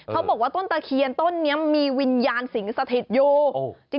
เขาบอกว่าต้นตะเคียนต้นนี้มีวิญญาณสิงสถิตอยู่